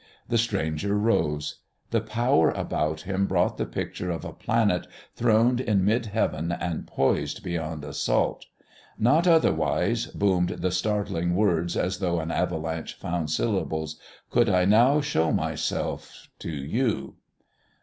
The stranger rose. The power about him brought the picture of a planet, throned in mid heaven and poised beyond assault. "Not otherwise," boomed the startling words as though an avalanche found syllables, "could I now show myself to you."